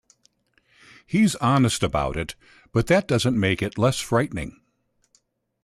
He's honest about it, but that doesn't make it less frightening.